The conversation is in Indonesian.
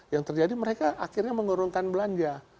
yang terjadi mereka akhirnya mengurungkan belanja